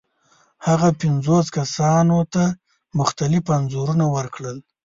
هغه پنځو کسانو ته مختلف انځورونه ورکړل.